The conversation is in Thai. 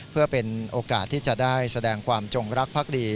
เพื่อเป็นโอกาสที่จะได้แสดงความจงรักภักดี